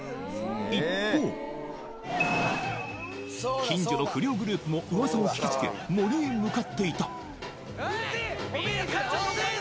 一方近所の不良グループも噂を聞きつけ森へ向かっていたうるせえ！